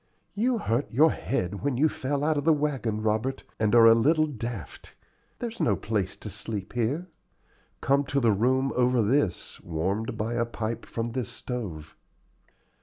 "You hurt your head when you fell out of the wagon, Robert, and are a little daft. There's no place to sleep here." "Come to the room over this, warmed by a pipe from this stove."